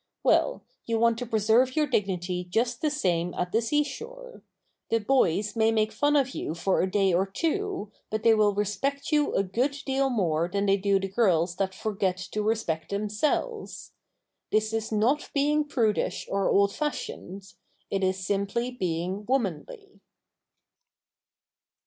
Well, you want to preserve your dignity just the same at the seashore. The boys may make fun of you for a day or two, but they will respect you a good deal more than they do the girls that forget to respect themselves. This is not being prudish or old fashioned—it is simply being womanly.